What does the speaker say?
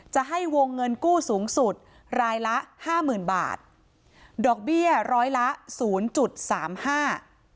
จะให้วงเงินกู้สูงสุดรายละห้าหมื่นบาทดอกเบี้ยร้อยละศูนย์จุดสามห้า